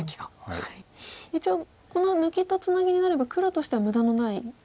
一応この抜きとツナギになれば黒としては無駄のない利かしでは。